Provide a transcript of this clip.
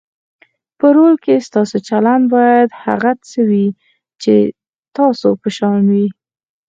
په رول کې ستاسو چلند باید هغه څه وي چې ستاسو په شان وي.